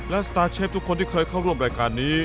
และทั้งตีทุกคนที่เคยเข้าร่วมรายการนี้